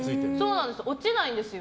落ちないんですよ。